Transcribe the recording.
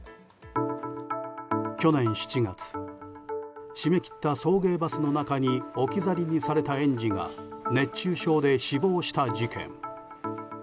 去年７月閉め切った送迎バスの中に置き去りにされた園児が熱中症で死亡した事件。